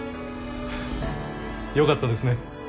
よかったですね。